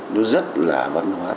nó rất là văn hóa